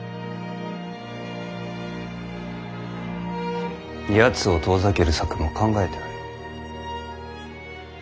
やつを遠ざける策も考えてある。